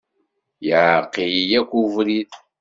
Iɛreq-iyi akk ubrid.